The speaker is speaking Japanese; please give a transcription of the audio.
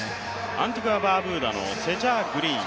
アンティグア・バーブーダはセジャー・グリーン。